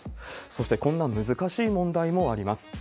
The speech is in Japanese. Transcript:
そしてこんな難しい問題もあります。